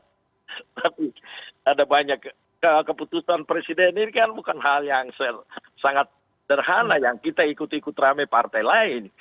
tapi ada banyak keputusan presiden ini kan bukan hal yang sangat sederhana yang kita ikut ikut rame partai lain